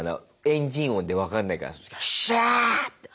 エンジン音で分かんないからヨッシャー！って。